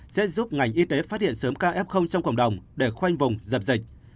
sẽ giúp ngành y tế phát hiện sớm kf trong cộng đồng để khoanh vùng dập dịch